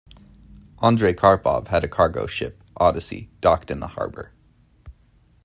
Andrei Karpov had a cargo ship, Odyssey, docked in the harbor.